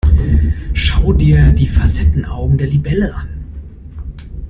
Schau dir die Facettenaugen der Libelle an.